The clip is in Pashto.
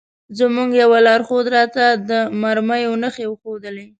زموږ یوه لارښود راته د مرمیو نښې وښودلې.